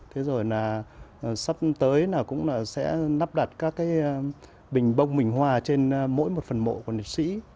thế rồi là sắp tới cũng sẽ nắp đặt các cái bình bông bình hòa trên mỗi một phần mộ của liệt sĩ